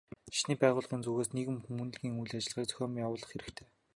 Шашны байгууллагын зүгээс нийгэм хүмүүнлэгийн үйл ажиллагаа зохион явуулах хэрэгтэй.